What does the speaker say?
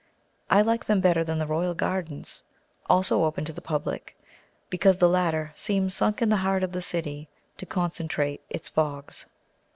I like them better than the Royal Gardens, also open to the public, because the latter seem sunk in the heart of the city, to concentrate its fogs.